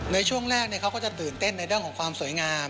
ในช่วงแรกเขาก็จะตื่นเต้นในเรื่องของความสวยงาม